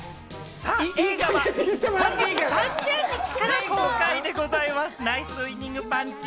映画は今月３０日から公開でございます。